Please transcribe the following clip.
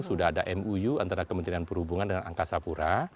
sudah ada muu antara kementerian perhubungan dan angkasa pura